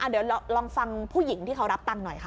เดี๋ยวลองฟังผู้หญิงที่เขารับตังค์หน่อยค่ะ